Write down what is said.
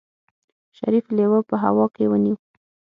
شريف لېوه په هوا کې ونيو.